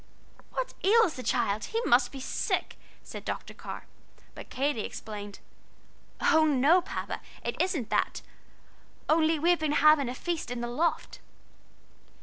"What ails the child? he must be sick," said Dr. Carr; but Katy explained. "Oh no, Papa, it isn't that only we've been having a feast in the loft."